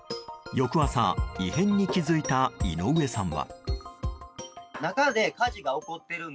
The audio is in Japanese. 翌朝、異変に気付いた井上さんは。